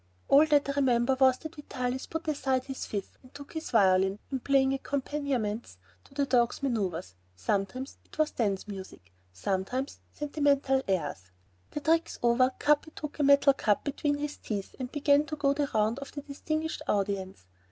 All that I remember was that Vitalis put aside his fife and took his violin and played accompaniments to the dogs' maneuvers; sometimes it was dance music, sometimes sentimental airs. The tricks over, Capi took a metal cup between his teeth and began to go the round of the "distinguished audience."